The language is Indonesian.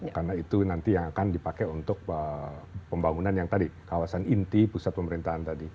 karena itu nanti yang akan dipakai untuk pembangunan yang tadi kawasan inti pusat pemerintahan tadi